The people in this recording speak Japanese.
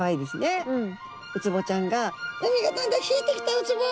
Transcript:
ウツボちゃんが「海がだんだん引いてきたウツボ！